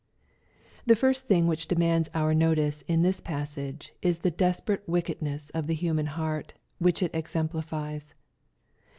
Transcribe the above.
The first thing which demands our notice in this pas sage, u the desperate wickedness of the human hearty which it exemplifies.